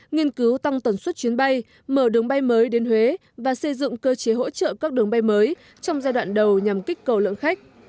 nghiên cứu tăng tần suất chuyến bay mở đường bay mới đến huế và xây dựng cơ chế hỗ trợ các đường bay mới trong giai đoạn đầu nhằm kích cầu lượng khách